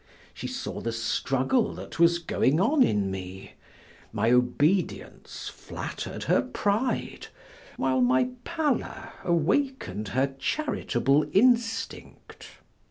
She saw the struggle that was going on in me: my obedience flattered her pride, while my pallor awakened her charitable instinct.